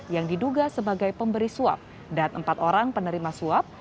yang diduga sebagai pemberi suap dan empat orang penerima suap